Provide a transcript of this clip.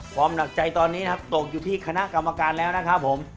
หนักใจตอนนี้นะครับตกอยู่ที่คณะกรรมการแล้วนะครับผม